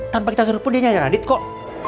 tanpa kita suruh pun dia nyanyi radit kok